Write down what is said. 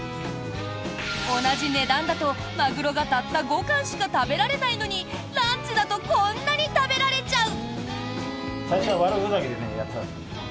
同じ値段だとマグロがたった５貫しか食べられないのにランチだとこんなに食べられちゃう。